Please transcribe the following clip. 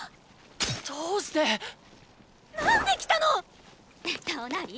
どうして⁉何で来たの⁉トナリ！